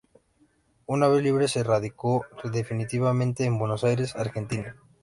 Una vez libre se radicó definitivamente en Buenos Aires, Argentina.